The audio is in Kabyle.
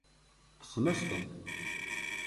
Kksen-as-ten.